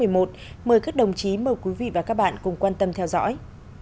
mời các đồng chí mời quý vị và các bạn cùng quan tâm theo dõi